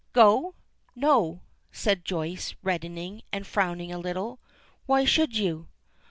"Go! No," says Joyce, reddening, and frowning a little. "Why should you?"